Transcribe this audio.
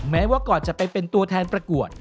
แม้ว่าก่อนจะไปเป็นตัวแทนประกวด